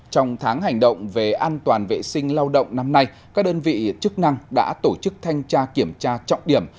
trong tháng hành động về an toàn vệ sinh lao động năm nay các đơn vị chức năng đã tổ chức thanh tra kiểm tra trọng điểm